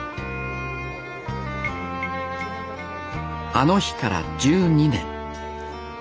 あの日から１２年。